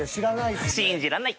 しんじらんない！